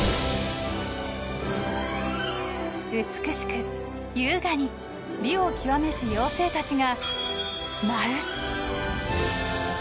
美しく優雅に美を極めし妖精たちが舞う。